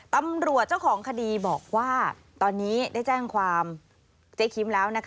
ตำรวจเจ้าของคดีบอกว่าตอนนี้ได้แจ้งความเจ๊คิมแล้วนะคะ